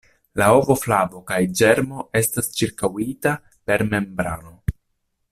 La ovoflavo kaj la ĝermo estas ĉirkaŭita per membrano.